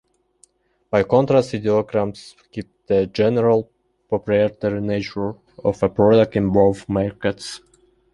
By contrast, ideograms keep the general proprietary nature of a product in both markets.